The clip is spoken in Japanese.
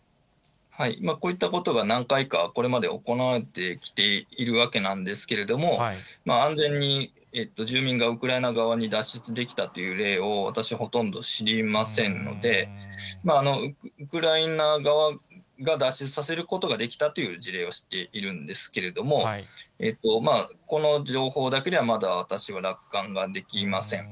こういったことが何回か、これまで行われてきているわけなんですけれども、安全に、住民がウクライナ側に脱出できたという例を、私はほとんど知りませんので、ウクライナ側が脱出させることができたという事例は知っているんですけれども、この情報だけでは、まだ私は楽観はできません。